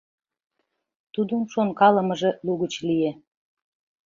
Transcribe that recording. Тудын шонкалымыже лугыч лие.